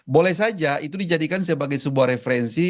boleh saja itu dijadikan sebagai sebuah referensi